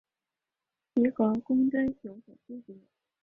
其和公吨有所区别。